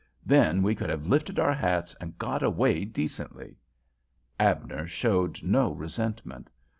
Then we could have lifted our hats and got away decently." Abner showed no resentment.